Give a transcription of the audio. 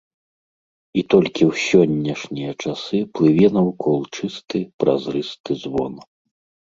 І толькі ў сённяшнія часы плыве наўкол чысты, празрысты звон.